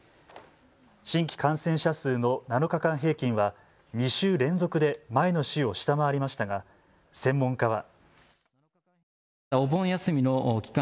新規感染者数の７日間平均は２週連続で前の週を下回りましたが専門家は。